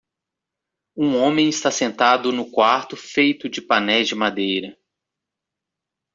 Um homem está sentado no quarto feito de painéis de madeira.